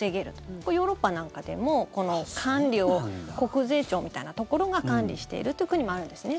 これ、ヨーロッパなんかでもこの管理を国税庁みたいなところが管理しているという国もあるんですね。